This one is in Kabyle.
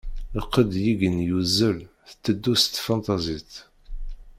Lqedd deg yigenni yuzzel, tetteddu s tfenṭazit.